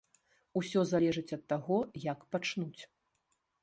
Усё залежыць ад таго, як пачнуць.